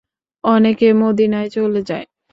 অনেকে মদীনায় চলে যায়।